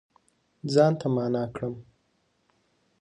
ځان ته معنا کړم